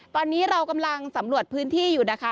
ตอนนี้เรากำลังสำรวจพื้นที่อยู่นะคะ